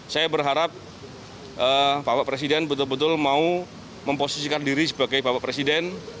saya berharap bapak presiden betul betul mau memposisikan diri sebagai bapak presiden